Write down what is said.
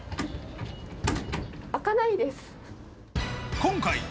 開かないです。